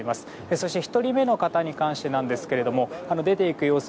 そして１人目の方に関してですが出ていく様子